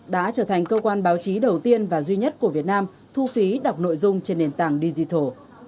đã trở thành cơ quan báo chí đầu tiên và duy nhất của việt nam thu phí đọc nội dung trên nền tảng digital